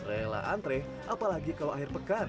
rela antre apalagi kalau air pekat